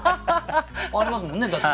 ありますもんねだって